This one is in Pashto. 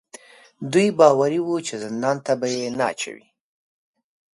دوی باوري وو چې زندان ته به یې نه اچوي.